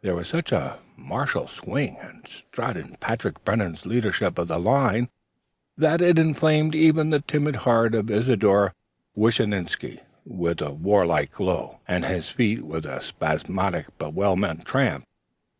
There was such a martial swing and strut in Patrick Brennan's leadership of the line that it inflamed even the timid heart of Isidore Wishnewsky with a war like glow and his feet with a spasmodic but well meant tramp.